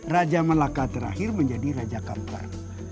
raja malaka terakhir menjadi raja kampar